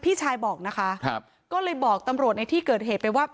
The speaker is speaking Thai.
พี่ชายบอกนะคะครับก็เลยบอกตำรวจในที่เกิดเหตุไปว่า